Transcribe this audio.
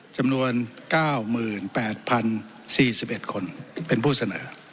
จำนวน๙๘๐๔๑คนเป็นผู้เสนอ